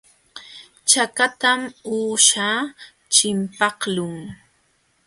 Chakatam uusha chimpaqlun.